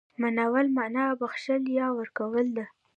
مناوله مانا بخښل، يا ورکول ده.